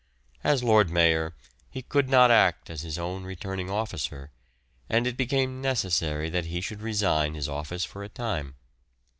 As Lord Mayor he could not act as his own returning officer, and it became necessary that he should resign his office for a time.